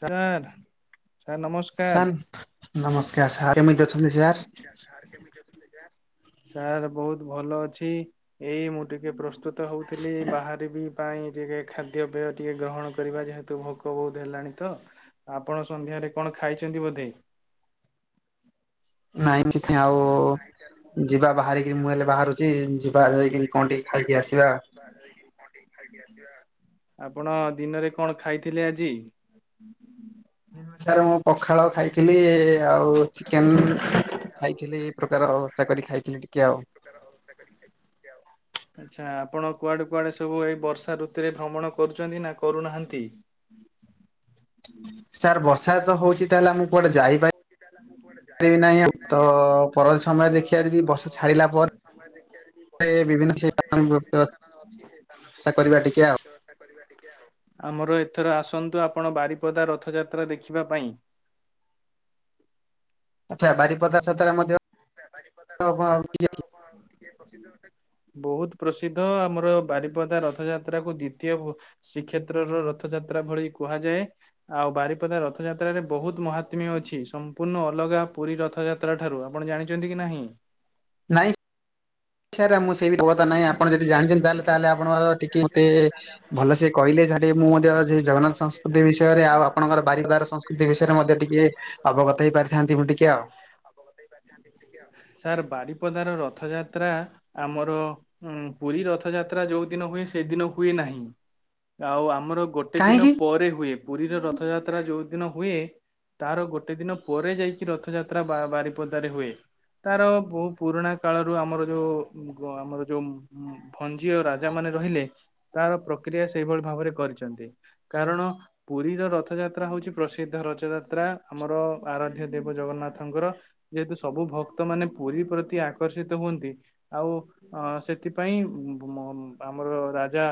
Sir sir ନମସ୍କା sir ନମସ୍କାର୍ sir କେମିତି ଅଛନ୍ତି ସାର୍? ସାର୍ ବହୁତ୍ ଭଲ ଅଛି ଏଇ ମୁଁ ଟିକେ ପ୍ରସ୍ତୁତ୍ ତ ହେଉଥିଲି ବାହାରିବି ପାଇଁ ଟିକେ ଖାଦ୍ୟପେୟ ଟିକେ ଗ୍ରହଣ କରିବା ଯେହେତୁ ଭୋକ ବହୁତ। ହେଲାଣି ତ ଆପଣ ସନ୍ଧ୍ୟାରେ କଣ ଖାଇଛନ୍ତି ବୋଧେ? ନାଇଁ କିଛି ଆଉ ଯିବା ବାହାରିକି ମୁଁ ହେଲେ ବାହାରୁଛି ଯିବା ଯାଇକି କଣ ଟିକେ ଖାଇକି ଆସିବା। ଆପଣ ଦିନରେ କଣ ଖାଇଥିଲେ ଆଜି? ସାର୍ ମୁଁ ପଖାଳ ଖାଇଥିଲି ଆଉ ଚିକେନ ଖାଇଥିଲି ଏଇ ପ୍ରକାର ବ୍ୟବସ୍ଥା କରିକି ଖାଇଥିଲି ଟିକେ ଆଉ ଆଚ୍ଛା ଆପଣ କୁଆଡ଼େ କୁଆଡ଼େ ସବୁ ଏଇ ବର୍ଷା ଋତୁରେ ଭ୍ରମଣ କରୁଛନ୍ତି ନା କରୁନାହାନ୍ତି? ସାର୍ ବର୍ଷା ତ ହଉଚି ସାର୍ ବର୍ଷା ତ ହଉଛି ତାହେଲେ ମୁଁ କୁଆଡେ ଯାଇପାଇଲି ଆଉ ତ ନାହିଁ ଆଉ ପର ସମୟ ଦେଖିବା ଆଁ ଯଦି ତ ବର୍ଷା ଛାଡିଲା କ ପରେ ସମୟ ଦେଖିବାଯଦି ବ ବିଭିନ୍ନ ଖାଇଲା ପରେ ବିଭିନ୍ନ ବ୍ୟବସ୍ଥା ସ୍ଥାନ ଅଛି ସେ ସ୍ଥାନକୁ ବୁଲିବା କରିବା ପାଇଁ ଟିକେ ଆଉ ବ୍ୟବସ୍ଥା କରିବା ଟିକେ ଆଉ ଆମର ଏଥର ଆସନ୍ତୁ ଆପଣ ବାରିପଦା ରଥ ଯାତ୍ରା ଦେଖିବା ପାଇଁ। ଆଚ୍ଛା ବାରିପଦା ସତରେ ମଧ୍ୟ ବାରିପଦା ରଥଯାତ୍ରା ମଧ୍ୟ କଣ ଟିକେ ପ୍ରସିଦ୍ଧ ବହୁତ ପ୍ରସିଦ୍ଧ ଆମର ବାରିପଦା ରଥଯାତ୍ରାକୁ ଦ୍ଵିତୀୟ ଶ୍ରୀକ୍ଷେତ୍ରର ରଥଯାତ୍ରା ଭଳି କୁହାଯାଏ। ଆଉ ବାରିପଦା ରଥଯାତ୍ରାରେ ବହୁତ ମହାତ୍ମ୍ୟ ଅଛି ସମ୍ପୂର୍ଣ୍ଣ ଅଲଗା ପୁରୀ ରଥଯାତ୍ରା ଠାରୁ ଆ ଆପଣ ଜାଣିଛନ୍ତି କି ନାହିଁ? ନାଇଁ। ସାର ମୁଁ ସେଇ ବି ଦବଥା ନାହିଁ ଆପଣ ଯଦି ଜାଣିଛନ୍ତି ତାହେଲେ ତାହେଲେ ଆପଣ ଟିକେ ମତେ ଭଲ ସେ କହିଲେ ଯାହା ଟିକେ ମୁଁ ମଧ୍ୟ ସେ ଜଗନ୍ନାଥ ସଂସ୍କୃତି ବିଷୟରେ ଆଉ ଆପଣଙ୍କର ବାରିଦାର ସଂସ୍କୃତି ବିଷୟରେ ମଧ୍ୟ ଟିକେ ବାରିପଦାର ଅବଗତ ସଂସ୍କୃତି ହେଇପାରିଥାନ୍ତି ବିଷୟରେ ମୁଁ ଟିକେ ଆଉ ମତେ ଟିକେ ଆ ସାର୍ ବାରିପଦାର ରଥଯାତ୍ରା ଆମର ପୁରୀ ରଥଯାତ୍ରା ଯୋଉ ଦିନ ହୁଏ ସେଦିନ ହୁଏ ନାହିଁ। ଆଉ ଆମର ଗୋଟେ ଦିନ କାହିଁକି ପରେ ହୁଏ ପୁରୀର ରଥଯାତ୍ରା ଯୋଉ ଦିନ ହୁଏ। ତାର ଗୋଟେ ଦିନ ପରେ ଯାଇକି ରଥଯାତ୍ରା ବା ବାରିପଦାରେ ହୁଏ। ତାର ବହୁ ପୁରୁଣା କାଳରୁ ଆମର ଯୋଉ ଆମର ଯୋଉ ଭଞ୍ଜି ଆଉ ରାଜା ମାନେ ରହିଲେ। ତାର ପ୍ରକ୍ରିୟା ସେଇଭଳି ଭାବରେ କରିଛନ୍ତି କାରଣ ପୁରୀର ରଥଯାତ୍ରା ହଉଛି ପ୍ରସିଦ୍ଧ ରଚଯାତ୍ରା ଆମର ଆରାଧ୍ୟ ଦେବ ଜଗନ୍ନାଥଙ୍କର ଯେହେତୁ ସବୁ ଭକ୍ତ ମାନେ ପୁରୀ ପ୍ରତି ଆକର୍ଷିତ ହୁଅନ୍ତି ଆଉ ଅ ସେଥିପାଇଁ ମ ଆମର ରାଜା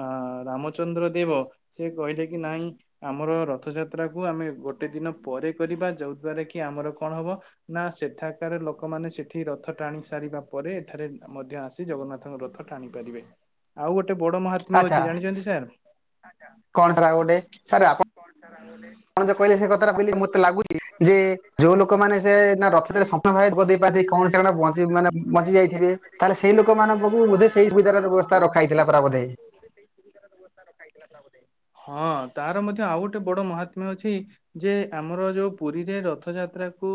ଆ ରାମଚନ୍ଦ୍ର ଦେବ ସେ କହିଲେ କି ନାଇଁ ଆମର ରଥଯାତ୍ରା କୁ ଆମେ ଗୋଟେ ଦିନ ପରେ କରିବା। ଯୋଉ ଦ୍ଵାରା କି ଆମର କଣ ହବ ନା ସେଠାକାର ଲୋକମାନେ ସେଠି ରଥ ଟାଣି ସାରିବା ପରେ ଏଠାରେ ମଧ୍ୟ ଆସି ଜଗନ୍ନାଥଙ୍କ ରଥ ଟାଣି ପାରିବେ। ଆଉ ଗୋଟେ ବଡ ମହା [unintelligible] ଆଚ୍ଛା ଅଛି ଜାଣିଛନ୍ତି ସାର୍? କଣ ସେଟା ଗୋଟେ? ସାର୍ ଆପଣ ଯୋଉ ସାର୍ ଆପଣ ଯା କଥାଟା କହିଲେ ବୋଲି ସେ ମତେ ଲାଗୁଛି ଯେ କଥାଟା ଭାବିଲେ ସାର୍ ଯୋଉ ମତେ ଲୋକମାନେ ଲାଗୁଚି [unintelligible] ମାନେ ବଞ୍ଚିଯାଇଛି। ତାହେଲେ ସେଇ ଲୋକ ମାନଙ୍କୁ ପାଖୁ ବୋଧେ ସେଇ ସୁବିଧା ର ବ୍ୟବସ୍ଥା ରଖାହେଇଥିଲା ପରା ବୋଧେ। ହଁ ତାର ମଧ୍ୟ ଆଉ ଗୋଟେ ବଡ଼ ମହାତ୍ମ୍ୟ ଅଛି। ଯେ ଆମର ଯୋଉ ପୁରୀରେ ରଥଯାତ୍ରା କୁ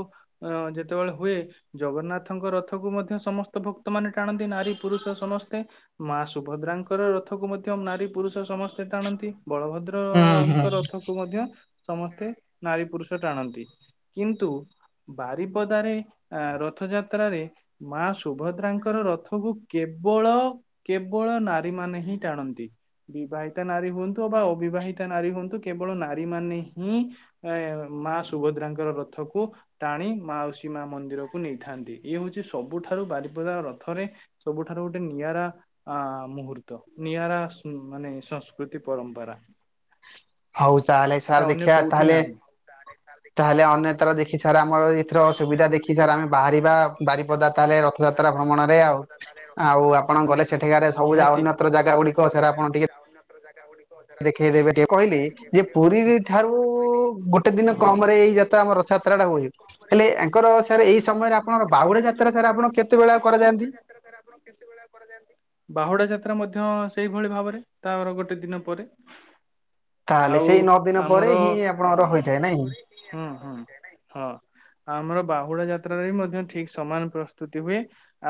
ଅ ଯେତେବେଳେ ହୁଏ ଜଗନ୍ନାଥଙ୍କ ରଥକୁ ମଧ୍ୟ ସମସ୍ତ ତ ଭକ୍ତମାନେ ଟାଣନ୍ତି ନାରୀ ପୁରୁଷ ସମସ୍ତେ। ମା ସୁଭଦ୍ରାଙ୍କର ରଥକୁ ମଧ୍ୟ ନାରୀ ପୁରୁଷ ସମସ୍ତେ ଟାଣନ୍ତି। ବଳଭଦ୍ର ଅ ହୁଁ ହୁଁ। ଙ୍କ ରଥକୁ ମଧ୍ୟ ସମସ୍ତେ ନାରୀ ପୁରୁଷ ଟାଣନ୍ତି। କିନ୍ତୁ ବାରିପଦାରେ ଏ ରଥଯାତ୍ରାରେ ମାଆ ଶୁ ସୁଭଦ୍ରାଙ୍କର ରଥକୁ କେବଳ କେବଳ ନାରୀ ମାନେ ହିଁ ଟାଣନ୍ତି। ବିବାହିତା ନାରୀ ହୁଅନ୍ତୁ ଅବା ଅବିବାହିତା ନାରୀ ହୁଅନ୍ତୁ କେବଳ ନାରୀ ମାନେ ହିଁ [unintelligible] ମା ସୁଭଦ୍ରାଙ୍କର ରଥ କୁ ଟାଣି ମାଉସୀ ମା ମନ୍ଦିରକୁ ନେଇଥାନ୍ତି। ଇଏ ହଉଛି ସବୁଠାରୁ ବାରିପଦା ରଥରେ ସବୁଠାରୁ ଗୋଟେ ନିଆରା ଆ ମୁହୂର୍ତ୍ତ ନିଆରା ଶୁ ମାନେ ସଂସ୍କୃତି ପରମ୍ପରା। ହଉ ତାହେଲେ ଏଇଟା ସାର୍ ଅନ୍ୟ ଦେଖିବା କୋଉଠି ତାହେଲେ। ନାହିଁ। ତାହେଲେ ଅନ୍ୟଥର ଦେ ଦେଖି ସାର୍ ଆମର ଏଥର ସୁବିଧା ଦେଖି ସାର୍ ଆମେ ବାହାରିବା ବାରିପଦା ତାହେଲେ ରଥଯାତ୍ରା ଭ୍ରମଣରେ ଆଉ। ଆଉ ଆପଣ ଗଲେ ସେଠିକାରେ ସବୁ ନିହାତି। ଅନ୍ୟତ୍ର ଜାଗା ଦେଖେଇ ଦେବେ ଟିକେ କହିଲି। ଯେ ପୁରୀ ଠାରୁ ଗୋଟେ ଦିନ କମ୍ ରେ ଏଇ ଯାତା ଆମ ରଥ ଯାତ୍ରାଟା ହୁଏ। ହେଲେ ଏଙ୍କର ସାର୍ ଏଇ ସମୟରେ ଆପଣର ବାହୁଡା ଯାତ୍ରା ସାର୍ ଆପଣ କେତେବେଳେ କରାଯାନ୍ତି? [unintelligible] ଆପଣ କେତେବେଳେ [unintelligible] ବାହୁଡା ଯାତ୍ରା ମଧ୍ୟ ସେଇଭଳି ଭାବରେ ତାର ଗୋଟେ ଦିନ ପରେ। ତାହେଲେ ଆଉ ସେଇ ନଅ ଦିନ ପରେ ଆମର ହିଁ ଅ ଆପଣଙ୍କର ହୋଇଥାଏ ନାଇଁ ହୁଁ ହୁଁ ହଁ। ଆମର ବାହୁଡା ଯାତ୍ରାରେ ବି ମଧ୍ୟ ଠିକ୍ ସମାନ ପ୍ରସ୍ତୁତି ହୁଏ।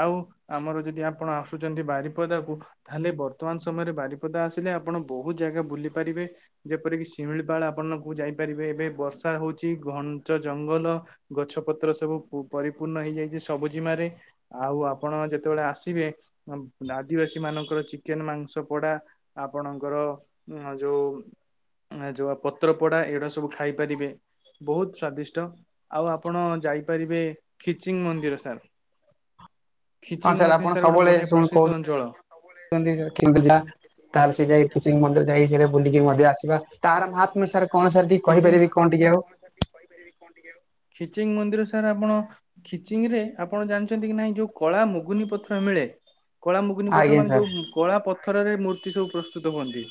ଆଉ ଆମର ଯଦି ଆପଣ ଆସୁଛନ୍ତି ବାରିପଦାକୁ ତାହେଲେ ବର୍ତ୍ତମାନ ସମୟରେ ବାରିପଦା ଆସିଲେ ଆପଣ ବହୁତ ଜାଗା ବୁଲି ପାରିବେ। ଯେପରିକି ଶିମିଳିପାଳ ଆପଣଙ୍କୁ ଯାଇପାରିବେ ଏବେ ବର୍ଷା ହଉଛି ଘଅଞ୍ଚ ଜଙ୍ଗଲ। ଗଛ ପତ୍ର ସବୁ ପୁ ପରିପୂର୍ଣ ହେଇଯାଇଛି ସବୁଜିମା ରେ। ଆଉ ଆପଣ ଯେତେବେଳେ ଆସିବେ ଉ ଆଦିବାସୀ ମାନଙ୍କର ଚିକେନ୍ ମାଂସ ପୋଡା। ଆପଣଙ୍କର ଯୋଉ ଏ ଯଉ ପତ୍ର ପୋଡା ଏଗୁଡା ସବୁ ଖାଇପାରିବେ ବହୁତ ସ୍ଵାଦିଷ୍ଟ। ଆଉ ଆପଣ ଯାଇପାରିବେ ଖିଚିଙ୍ଗ ମନ୍ଦିର ସାର୍। ହଁ ଖିଚିଂ ମଧ୍ୟ ଆପଣ ସାର୍ ଗୋଟେ ସବୁବେଳେ ବଢିଆ ଶୁଣ କହୁଛନ୍ତି। ପ୍ରସିଦ୍ଧ ଅଞ୍ଚଳ। [unintelligible] ତାହେଲେ ସେ ଯାଇ ଖିଚିଂ ମନ୍ଦିର ଯାଇ ସେ ବୁଲିକି ମଧ୍ୟ ଆସିବ। ତାର ମହାତ୍ମ ସାର୍ କଣ ସାର୍ ଟିକେ କହିପାରିବେ? କଣ ଟିକିଏ ଆଉ। କହିପାରିବେ କଣ ଟିକିଏ? ଖିଚିଙ୍ଗ୍ ମନ୍ଦିର ସାର୍ ଆପଣ ଖିଚିଙ୍ଗି ରେ ଆପଣ ଜାଣିଚନ୍ତି କି ନାଇଁ ଯୋଉ କଳା ମୁଗୁନି ପଥର ମିଳେ। କଳା ମୁଗୁନି ପଥର ଆଜ୍ଞା ମାନେ ସାର୍ ଯୋଉ କଳା ପଥରରେ ମୂର୍ତ୍ତି ସବୁ ପ୍ରସ୍ତୁତ ହୁଅନ୍ତି।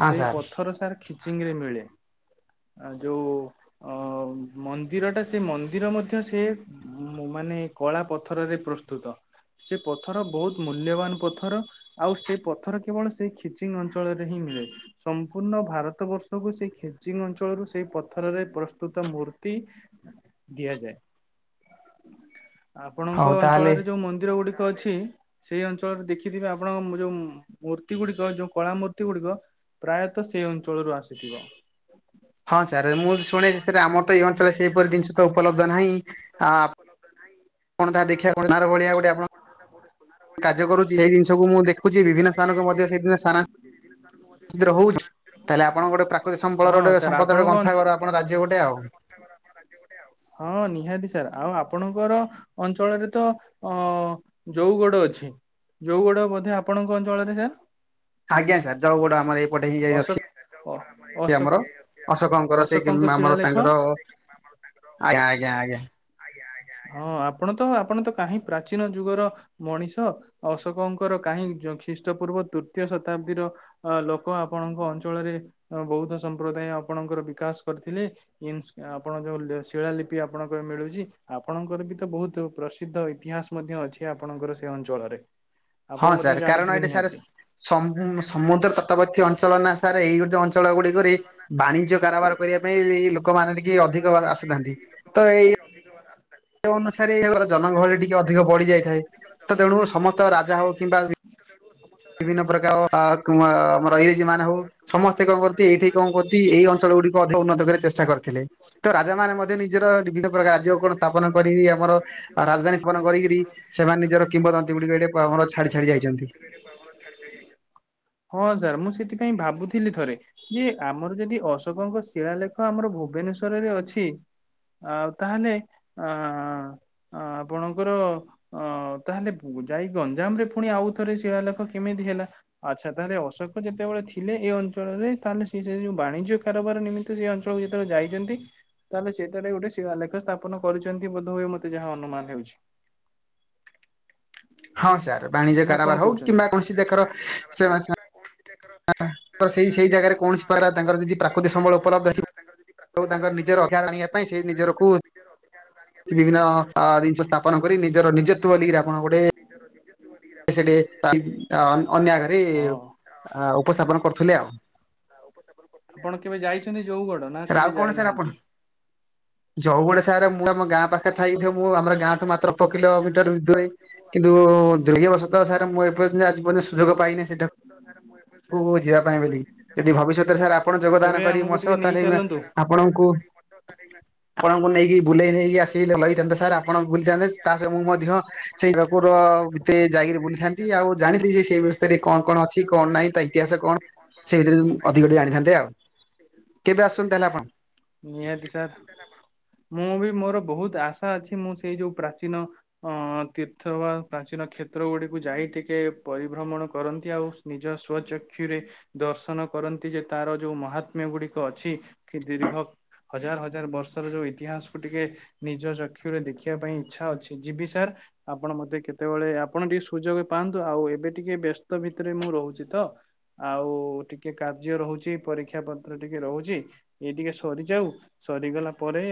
ହଁ ସେଇ ସାର୍ ପଥର ସାର ଖି ଖିଚିଙ୍ଗିରେ ମିଳେ ଆ ଯୋଉ ମ ମନ୍ଦିରଟା ସେ ମନ୍ଦିର ମଧ୍ୟ ସେ ମ ମାନେ କଳା ପଥରରେ ପ୍ରସ୍ତୁତ। ସେ ପଥର ବହୁତ୍ ମୂଲ୍ୟବାନ ପଥର। ଆଉ ସେ ପଥର କେବଳ ସେଇ ଖିଚିଙ୍ଗ୍ ଅଞ୍ଚଳରେ ହିଁ ମିଳେ। ସମ୍ପୂର୍ଣ୍ଣ ଭାରତ ବର୍ଷକୁ ସେଇ ଖିଜିଙ୍ଗ ଅଞ୍ଚଳରୁ ସେଇ ପଥରରେ ପ୍ରସ୍ତୁତ ମୂର୍ତ୍ତି ଦିଆଯାଏ। ଆପଣଙ୍କ ହଉ ତାହେଲେ ଅଞ୍ଚଳରେ ଯୋଉ ମନ୍ଦିର ଗୁଡି କ ଅଛି। ସେଇ ଅଞ୍ଚଳରେ ଦେଖିଥିବେ ଆପଣଙ୍କ ମ ଯୋଉ ମୂର୍ତ୍ତି ଗୁଡିକ ଯୋଉ କଳା ମୂର୍ତ୍ତି ଗୁଡିକ ପ୍ରାୟତଃ ସେଇ ଅଞ୍ଚଳରୁ ଆସିଥିବ। ହଁ ସାର୍ ମୁଁ ଶୁଣିଚି ସାର ଆମର ତ ଏଇ ଅଞ୍ଚଳରେ ସେଇପରି ଜିନିଷ ତ ଉପଲବ୍ଧ ନାହିଁ ଆ ଆପଣ ଯାହା ଦେଖିବାକୁ ଅନ୍ଧାରଭଳିଆ ଗୋଟେଆପଣ। ଲ [inaudible] କାର୍ଯ୍ୟ କରୁଚି ସେଇ ଜିନିଷକୁ ମୁଁ ଦେଖୁଚି ବିଭିନ୍ନ ସ୍ଥାନକୁ ମଧ୍ୟ ସେଇଦିନ ସ୍ଥାନା ହିମିତି ରହୁଚି। ତାହେଲେ ଆପଣ ଗୋଟେ ପ୍ରାକୃତିକ ହଁ ସମ୍ବଳର ଗୋଟେ ସାର୍ ସମ୍ପଦର ଗୋଟେ ଆପଣଙ୍କ ଗନ୍ଥା ଘର ଆପଣ ରାଜ୍ୟ ଗୋଟେ ଆଉ। ହଁ ନିହାତି ସାର୍ ଆଉ ଆପଣଙ୍କର ଅଞ୍ଚଳରେ ତ ଅ ଯଉଗଡ ଅଛି। ଯଉଗଡ ବୋଧେ ଆପଣଙ୍କ ଅଞ୍ଚଳରେ ହେ। ଆଜ୍ଞା ସାର ଯଉଗଡ ଆମର ଏଇପଟେ ହିଁ ଯାଇ ଅଛି। ଅ ସେ ଅଶୋକ ଆମର ଅଶୋକଙ୍କର ସେ କି ଅଶୋକଙ୍କ ଆମର ଶିଳାଲେଖ ତାଙ୍କର ଆଜ୍ଞା ଆଜ୍ଞା ଆଜ୍ଞା। ହଁ ଆପଣ ତ ଆପଣ ତ କାହିଁ ପ୍ରାଚୀନ ଯୁଗର ମଣିଷ ଅଶୋକଙ୍କର କାହିଁ ଯୋ ଖ୍ରୀଷ୍ଟ ପୂର୍ବ ତୃତୀୟ ଶତାବ୍ଦୀର ଅ ଲୋକ ଆପଣଙ୍କ ଅଞ୍ଚଳରେ ବୌଦ୍ଧ ସମ୍ପ୍ରଦାୟ ଆପଣଙ୍କର ବିକାଶ କରିଥିଲେ। ଇନସ୍ ଆପଣ ଯୋଉ ଶିଳାଲିିପି ଆପଣଙ୍କ ମିଳୁ ଜି ଆପଣଙ୍କର ବି ତ ବହୁତ୍ ପ୍ରସିଦ୍ଧ ଇତିହାସ ମଧ୍ୟ ଅଛି ଆପଣଙ୍କର ସେ ଅଞ୍ଚଳରେ। ହଁ ଆପଣ ମଧ୍ୟ ସାର୍ କାରଣ ଜାଣିଥିବେ ଏଇଠି ସାର୍ ନିହାତି। ସ ସମୁଦ୍ର ତଟବର୍ତ୍ତୀ ଅଞ୍ଚଳ ନା ସାର୍ ଏଇ ଗୋଟି ଅଞ୍ଚଳ ଗୁଡିକରେ ବାଣିଜ୍ୟ କାରବାର କରିବା ପାଇଁଏଇ ଲୋକମାନେ ଟିକିଏ ଅଧିକ ଆସିଥାନ୍ତି ତ ଏଇ ଆ [inaudible] ସେ ଅନୁସାରେଏ ଜନଗହଳି ଟିକିଏ ଅଧିକ ବଢି ଯାଇଥାଏ। ତ ତେଣୁ ଜନଗହଳି ଟିକିଏ ସମସ୍ତ ଅଧିକ ରାଜା ବଢି ହଉ କିମ୍ବା ଯାଇଥାଏ। ତୁ ତାକୁ ବିଭିନ୍ନ ପ୍ରକାର ଅ ଆ ଆମର ଇଂଲିଶି ମାନେ ହୋଉ ସମସ୍ତେ କଣ କରତି ଏଇଠି କଣ କରତି ଏଇ ଅଞ୍ଚଳ ଗୁଡିକ ଅଧିକ ଉନ୍ନତ କରିବା ଚେଷ୍ଟା କରିଥିଲେ ତ ରାଜା ମାନେ ମଧ୍ୟନେଇ- ନିଜିର ବିଭିନ୍ନ ପ୍ରକାର ରାଜ୍ଯକୁ କଣ ସ୍ଥାପନ ନିଜିର କରିକି ଆମର ବିଭିନ୍ନ ପ୍ରକାର ରାଜ୍ଯକୁ କଣ ରାଜଧାନୀ ସ୍ଥାପନ କରି କରିକିରି ଆମର ସେମାନେ ନିଜର ଆରାମଦାୟକ ସ୍ଥାପନ କିମ୍ବଦନ୍ତୀ ଗୁଡିକ କରିକି ଏଠି ଆମର ସେମାନେ ଛାଡି ନିଜର ଛାଡି ଯାଇଛନ୍ତି। ବିପଦନ୍ତି। ହଁ ସାର୍ ମୁଁ ସେଥିପାଇଁ ଭାବୁଥିଲି ଥରେ ଯେ ଆମର ଯଦି ଅଶୋକଙ୍କ ଶିଳାଲେଖ ଆମର ଭୁବନେଶ୍ଵରରେ ଅଛି। ଆଉ- ତାହେଲେ ଆଁ ଆଁ ଆପଣଙ୍କର ଅ ତାହେଲେ ପୁ ଯାଇ ଗଞ୍ଜାମ ରେ ପୁଣି ଆଉଥରେ ଶିଳାଲେଖ କେମିତି ହେଲା? ଆଚ୍ଛା ତାହେଲେ ଅଶୋକ ଯେତେବେଳେ ଥିଲେ ଏଇ ଅଞ୍ଚଳରେ ତାହେଲେ ସେ ଯୋଉ ବାଣିଜ୍ୟ କାରବାର ନିମି ସେ ଅଞ୍ଚଳକୁ ଯେତେବେଳେ ଯାଇଚନ୍ତି ତାହେଲେ ସେଟାରେ ଗୋଟେସ୍ ଶିଳାଲେଖ ସ୍ଥାପନ କରିଚନ୍ତି ବୋଧହୁଏ ମତେ ଯାହା ଅନୁମାନ ହେଉଛି। ହଁ ସାର୍ ବାଣିଜ୍ୟ ନା କଣ କାରବାର ହଉ କହୁଛନ୍ତି? କିମ୍ବା କୌଣସି ଜାକର ସେ ତାଙ୍କର ସେ ହଁ ଜାଗାରେ କୌଣସି ପ୍ରକାର ତାଙ୍କର ସେଇ ସେଇ ଜାଗାରେ କୌଣସି ପ୍ରକାର ତାଙ୍କର ଯଦି ଆଉ ତାଙ୍କର ନିଜର ଅଧିକାର ଆଣିବା ପାଇଁ ସେ ନିଜରକୁ ନିଜର ଅଧିକାର ଆଣି ବିଭିନ୍ନ ଅ ଜିନିଷ ସ୍ଥାପନ କରି ନିଜର ନିଜତ୍ୱ ବୋଲି ଆପଣ ଗୋଟେ ନିଜର ନିଜ ସେଠି ଅନ୍ୟ ଆଗରେ ହଁ ଉପସ୍ଥାପନ କରୁଥିଲେ ଆଉ ଆପଣ କେବେ ଯାଇଛନ୍ତି ଯଉଗଡ଼ ନା କେବେ ଯାଇନାହାନ୍ତି ଯଉଗଡ଼ ସାରେ ମୁଁ ଆମ ଗାଁ ପାଖରେ ଥାଇବି ମୁଁ ଆମର ଗାଁଠୁ ମାତ୍ର ଅଳ୍ପ କିଲୋମିଟର ଦୁରେଇ ୁ ଆମର ଗାଁଠୁ ମାତ୍ର ଅଳ୍ପ କିଲୋ ଭିତରେଧ କିନ୍ତୁସଲ ମୁ ଏପର୍ଯ୍ୟନ୍ତ ଆଜି ପର୍ଯ୍ୟନ୍ତ ସୁଯୋଗ ପାଇନି ସେଠାକୁ ଯିବା ପାଇଁ ବୋଲି ଯଦି ଭବିଷ୍ୟତରେ ସାର୍ ଆପଣ [inaudible] ଯୋଗଦାନ ତବେ କରିବେ ଆମକୁ ମୋ ସହ ଟିକେ ନେଇ [inaudible] ତାହେଲେ ଆପଣଙ୍କୁ ଆପଣଙ୍କୁ ନେଇକି ବୁଲେଇ ନେଇକି ଆସିକି ଭଲ ହେଇଥାନ୍ତେ ସାର୍ ଆପଣଙ୍କୁ ବୁଲିଥାନ୍ତେ ତା ସହ ମୁଁ ମଧ୍ୟ ସେଇ ଠାକୁର ଭିତରେ ଯାଇକିରି ବୁଲିଥାନ୍ତି ଆଉ ଜାଣିନ୍ତି ଯେ ସେଇ ବିଷୟରେ କଣ କଣ ଅଛି କଣ ନାହିଁ ତା ଇତିହାସ କଣ ସେଇ ଭିତରେ ଅଧିକ ଟିକେ ଆଣିଥାନ୍ତେ ଆଉ କେବେ ଆସୁଛନ୍ତି ତା ହେଲେ ଆପଣ ନିହାତି ସାର୍ ମୁଁ ବି ମୋର ବହୁତ ଆଶା ଅଛି ମୁଁ ସେଇ ଯୋଉ ପ୍ରାଚୀନ ଅ ତୀର୍ଥ ବା ପ୍ରାଚୀନ କ୍ଷେତ୍ର ଗୁଡିକୁ ଯାଇ ଟିକେ ପରିଭ୍ରମଣ କରନ୍ତି ଆଉ ନିଜ ସ୍ୱ ଚକ୍ଷୁରେ ଦର୍ଶନ କରନ୍ତି ଯେ ତାର ଯୋଉ ମହାତ୍ମ୍ୟ ଗୁଡିକ ଅଛି ଦୀର୍ଘ ହଜାର ହଜାର ହଜାର ବର୍ଷର ଯୋଉ ଇତିହାସକୁୁ ଟିକେ ନିଜ ଚକ୍ଷୁରେ ଦେଖିବା ପାଇଁ ଇଚ୍ଛା ଅଛି ଯିବି ସାର୍ ଆପଣ ମତେ କେତେବେଳେ ଆପଣ ଟିକେ ସୁଯୋଗ ପାଆନ୍ତୁ ଆଉ ଏବେ ଟିକେ ବ୍ୟସ୍ତ ଭିତରେ ମୁଁ ରହୁଛି ତ। ଆଉ ଟିକେ କାର୍ଯ୍ୟ ରହୁଛି ପରୀକ୍ଷା ପତ୍ର ଟିକେ ରହୁଛି। ଏଇ ଟିକେ ସରିଯାଉ ସରିଗଲା ପରେ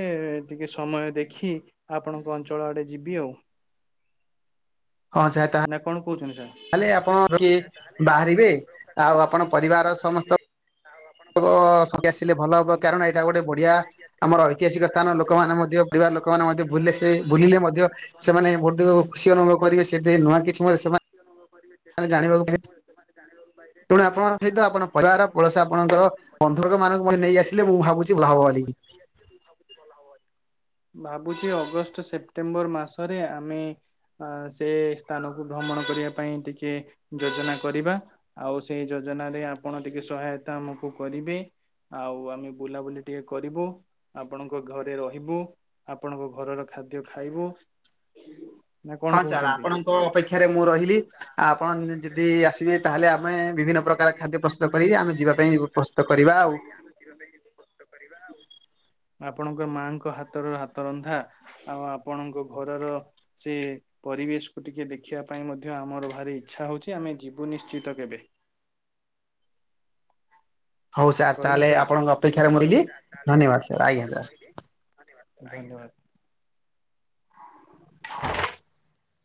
ଟିକେ ସମୟ ଦେଖି ଆପଣଙ୍କ ଅଞ୍ଚଳ ଆଡେ ଯିବି ଆଉ ହଁ ସାର୍ ତା ନା କଣ କହୁଛନ୍ତି ସାର୍ ତାହେଲେ ଆପଣ କିଏ ବାହାରିବେ ଆଉ ଆପଣ ପରିବାର ସମସ୍ତ ଆଉ ଆପଣ ପରିବାର ସଂଖ୍ୟା ଆସିଲେ ସମସ୍ତଙ୍କ ଭଲ ହବ କାରଣ ସମସ୍ତ ଏଇଟା ଲୋକ ଗୋଟେ ମାନଙ୍କୁ ବଢିଆ ଆମର ଐତିହାସିକ ସ୍ଥାନ ଲୋକମାନେ ମଧ୍ୟ ପରିବାର ଲୋକମାନେ ମଧ୍ୟ ଭୁଲିଲେ ସେ ଭୁଲିଲେ ମଧ୍ୟ ସେମାନେ ବହୁତ ଖୁସି ଅନୁଭବ କରିବେ ସେଥି ନୂଆ କିଛି ମୋ ସେମାନେ ଖୁସି ଅନୁଭବ କରିବେ ସେ ନୂଆ ଜାଣିବାକୁ କିଛି ସେମାନେ ଜାଣିବେ ତେଣୁ ଆପଣଙ୍କ ସହିତ ଆପଣ ପରିବାର ପଳସ ଆପଣଙ୍କର ବନ୍ଧୁ ମାନଙ୍କ ମଧ୍ୟ ନେଇ ଆସିଲେ ମୁଁ ଭାବୁଛି ଭଲ ହବ ଭାବୁଛି ଅଗଷ୍ଟ ସେପ୍ଟେମ୍ବର ମାସରେ ଆମେ ଅ ସେ ସ୍ଥାନକୁ ଭ୍ରମଣ କରିବା ପାଇଁ ଟିକେ ଯୋଜନା କରିବା। ଆଉ ସେଇ ଯୋଜନାରେ ଆପଣ ଟିକେ ସହାୟତା ଆମକୁ କରିବେ ଆଉ ଆମେ ବୁଲାବୁଲି। ଟିକେ କରିବୁ ଆପଣଙ୍କ ଘରେ ରହିବୁ ଆପଣଙ୍କ ଘରର ଖାଦ୍ୟ ଖାଇବୁ [unintelligible] ନା କଣ ହଁ ସାର୍ କହୁଛନ୍ତି? ଆପଣଙ୍କ ଅପେକ୍ଷାରେ ମୁଁ ରହିଲି ଆପଣ ଯଦି ଆସିବେ ତାହେଲେ ଆମେ। ବିଭିନ୍ନ ପ୍ରକାର ଯଦି ଖାଦ୍ୟ ଆସିବେ ପ୍ରସ୍ତୁତ ତାହେଲେ କରିକି ଆମେ ଯିବା ପାଇଁ ବିଭିନ୍ନ ପ୍ରକାର ପ୍ରସ୍ତୁତ ଖାଦ୍ୟ କରିବା ପତ୍ର ଆଉ ପାଇ ଆମେ ଯିବୁ [unintelligible] ଆପଣଙ୍କ ମାଙ୍କ ହାତର ହାତ ରନ୍ଧା ଆଉ ଆପଣଙ୍କ ଘରର ଛି ପରିବେଶକୁ ଟିକେ ଦେଖିବା ପାଇଁ ମଧ୍ୟ ଆମର ଭାରି ଇଚ୍ଛା ହଉଛି ଆମେ ଯିବୁ ନିଶ୍ଚିତ କେବେ। ହଉ ସାର୍ ରହିଲି ତାହେଲେ ସାର୍ ଆପଣଙ୍କ ଅପେକ୍ଷାରେ ମୁଁ ରହିଲି ଧନ୍ୟବାଦ ସାର୍ ଆଜ୍ଞା ସାର୍ ଧନ୍ୟବାଦ୍, ଧନ୍ୟବାଦ୍। [inaudible]